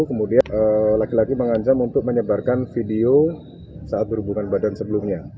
kemudian laki laki mengancam untuk menyebarkan video saat berhubungan badan sebelumnya